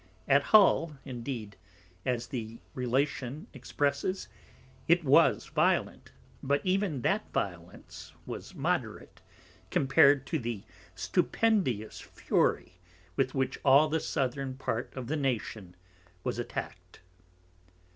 At Hull, indeed, as the Relation Expresses, it was violent, but even that violence was moderate, compar'd to the Stupendious fury with which all the Southern part of the Nation was Attack'd.